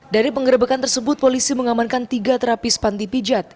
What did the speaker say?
dari pengerebekan tersebut polisi mengamankan tiga terapis panti pijat